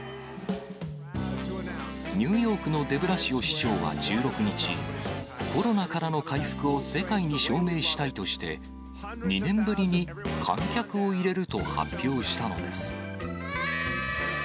ニューヨークのデブラシオ市長は１６日、コロナからの回復を世界に証明したいとして、２年ぶりに観客を入れると発表したのです。